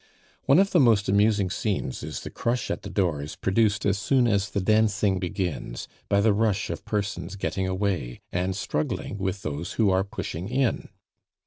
One of the most amusing scenes is the crush at the doors produced as soon as the dancing begins, by the rush of persons getting away and struggling with those who are pushing in.